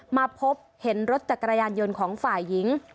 มาพบเห็นรถจักรยานยนต์ของฝ่ายหญิง